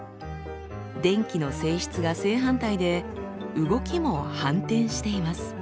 電気の性質が正反対で動きも反転しています。